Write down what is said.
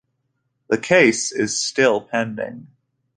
The case is still pending.